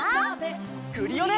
クリオネ！